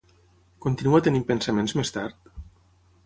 Continua tenint pensaments més tard?